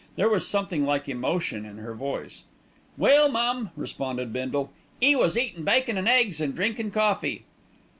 There was something like emotion in her voice. "Well, mum," responded Bindle, "'e was eatin' bacon an' eggs an' drinking coffee."